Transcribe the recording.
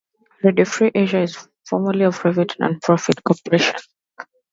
Radio Free Asia is formally a private, non-profit corporation.